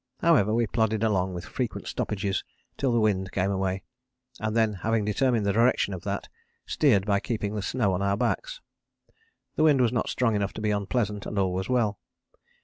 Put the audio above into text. However, we plodded along with frequent stoppages till the wind came away, and then having determined the direction of that, steered by keeping the snow on our backs. The wind was not strong enough to be unpleasant, and all was well.